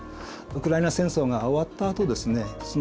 ウクライナ戦争が終わったあとですね